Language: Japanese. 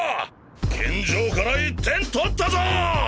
健丈から１点取ったぞォ！